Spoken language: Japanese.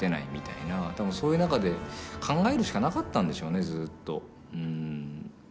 多分そういう中で考えるしかなかったんでしょうねずっと。